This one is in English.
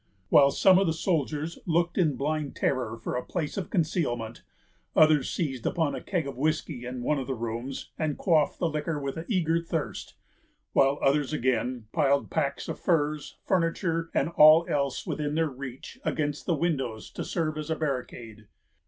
While some of the soldiers looked in blind terror for a place of concealment, others seized upon a keg of whiskey in one of the rooms and quaffed the liquor with eager thirst; while others, again, piled packs of furs, furniture, and all else within their reach, against the windows, to serve as a barricade.